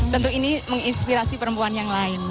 tentu ini menginspirasi perempuan yang lain